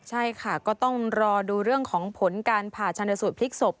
ใช่ค่ะก็ต้องรอดูเรื่องของผลการผ่าชนสูตรพลิกศพ